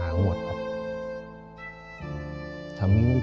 ว่าอุกของผู้เป็นพ่อและแม่นะครับ